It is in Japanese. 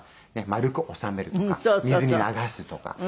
丸く収めるとか水に流すとか。